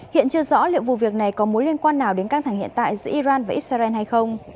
hiện chưa rõ liệu vụ việc này có mối liên quan nào đến căng thẳng hiện tại giữa iran và israel hay không